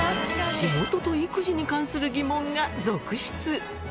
仕事と育児に関する疑問が続出。